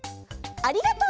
「ありがとう！」。